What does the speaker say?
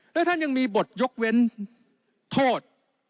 และท่านยังมีบทยกเว้นโทษ